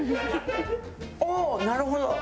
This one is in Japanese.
おおーなるほど。